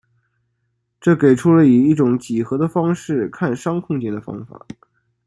这给出了以一种几何的方式看商空间的方法。